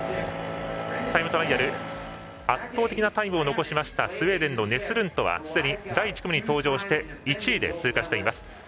タイムトライアル圧倒的なタイムを残しましたスウェーデンのネスルントはすでに第１組に登場して１位で通過しています。